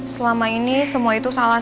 selama ini semua itu salah